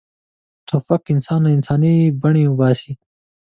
توپک انسان له انساني بڼې وباسي.